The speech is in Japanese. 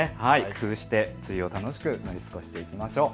工夫して梅雨を楽しく乗り過ごしていきましょう。